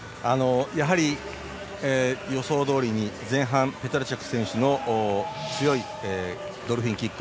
やはり予想どおりに前半、ペトラチェク選手の強いドルフィンキック。